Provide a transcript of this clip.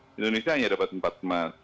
di indonesia hanya dapat empat emas